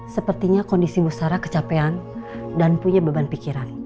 sepertinya kondisi bu sarah kecapean dan punya beban pikiran